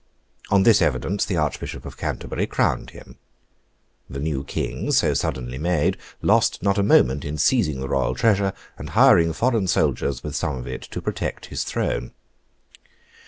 On this evidence the Archbishop of Canterbury crowned him. The new King, so suddenly made, lost not a moment in seizing the Royal treasure, and hiring foreign soldiers with some of it to protect his throne.